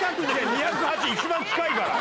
２０８一番近いから！